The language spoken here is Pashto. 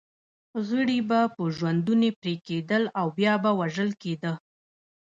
غړي به په ژوندوني پرې کېدل او بیا به وژل کېده.